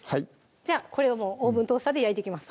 じゃあこれをオーブントースターで焼いていきます